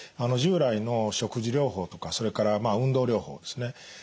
従来の食事療法とかそれから運動療法ですね